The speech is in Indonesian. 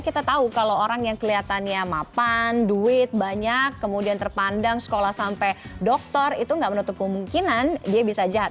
kita tahu kalau orang yang kelihatannya mapan duit banyak kemudian terpandang sekolah sampai dokter itu nggak menutup kemungkinan dia bisa jahat